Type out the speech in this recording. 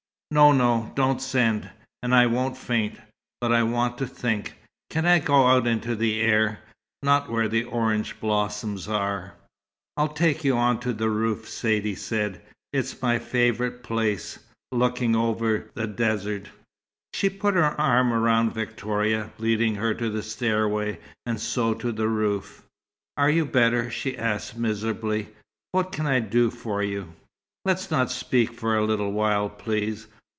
"No, no. Don't send. And I won't faint. But I want to think. Can I go out into the air not where the orange blossoms are?" "I'll take you on to the roof," Saidee said. "It's my favourite place looking over the desert." She put her arm round Victoria, leading her to the stairway, and so to the roof. "Are you better?" she asked, miserably. "What can I do for you?" "Let's not speak for a little while, please.